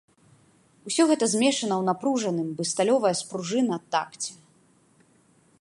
Усё гэта змешана ў напружаным, бы сталёвая спружына, такце.